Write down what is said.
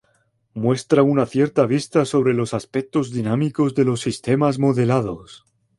Muestra una cierta vista sobre los aspectos dinámicos de los sistemas modelados.